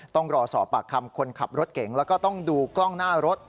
ต้องรอสอบปากคำคนขับรถเก่งแล้วก็ต้องดูกล้องหน้ารถ